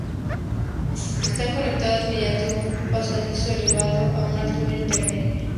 Están conectadas mediante un pasadizo elevado a una altura intermedia.